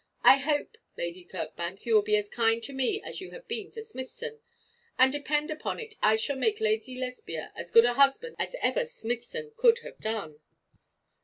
I hope, Lady Kirkbank, you will be as kind to me as you have been to Smithson; and depend upon it I shall make Lady Lesbia as good a husband as ever Smithson could have done.'